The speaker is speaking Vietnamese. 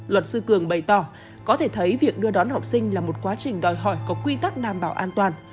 luật sư cường bày tỏ có thể thấy việc đưa đón học sinh là một quá trình đòi hỏi có quy tắc đảm bảo an toàn